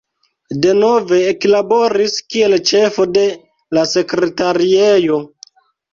Denove eklaboris kiel ĉefo de la sekretariejo.